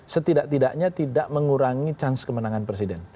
setidak tidaknya tidak mengurangi chance kemenangan presiden